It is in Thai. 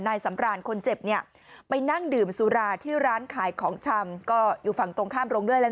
นายสำราญคนเจ็บเนี่ยไปนั่งดื่มสุราที่ร้านขายของชำ